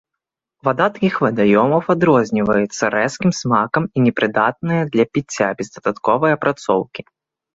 Вада такіх вадаёмаў адрозніваецца рэзкім смакам і непрыдатная для піцця без дадатковай апрацоўкі.